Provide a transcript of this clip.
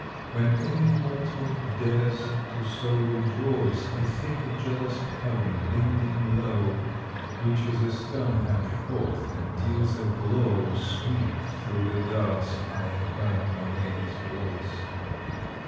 When any mortal dares to so rejoice, I think a jealous Heaven, bending low, Reaches a stern hand forth and deals a blow. Sweet through the dusk I heard my lady's voice.